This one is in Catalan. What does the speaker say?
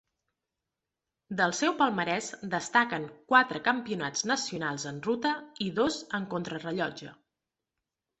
Del seu palmarès destaquen quatre campionats nacionals en ruta i dos en contrarellotge.